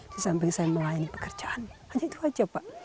di samping saya melayani pekerjaan hanya itu saja pak